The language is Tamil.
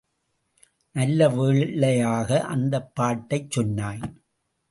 நல்ல வேளையாக அந்தப் பாட்டைச் சொன்னாய்.